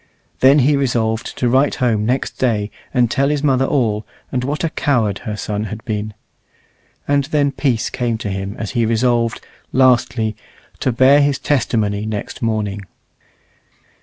Then he resolved to write home next day and tell his mother all, and what a coward her son had been. And then peace came to him as he resolved, lastly, to bear his testimony next morning.